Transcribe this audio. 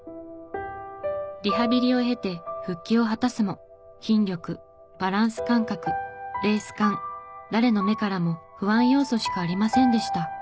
リハビリを経て復帰を果たすも筋力バランス感覚レース勘誰の目からも不安要素しかありませんでした。